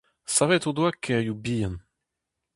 Savet o doa kêrioù bihan.